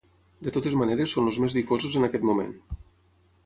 De totes maneres són els més difosos en aquest moment.